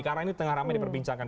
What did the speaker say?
karena ini tengah rame diperbincangkan